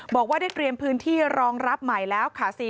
บอกว่าได้เตรียมพื้นที่รองรับใหม่แล้วค่ะ